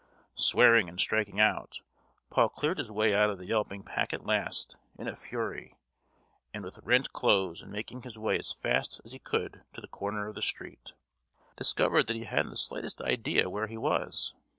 Swearing and striking out, Paul cleared his way out of the yelping pack at last, in a fury, and with rent clothes; and making his way as fast as he could to the corner of the street, discovered that he hadn't the slightest idea where he was.